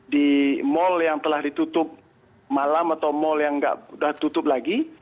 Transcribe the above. di mal yang telah ditutup malam atau mal yang sudah tutup lagi